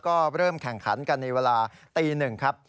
ก็เริ่มแข่งขันกันในเวลาตีหนึ่งครับ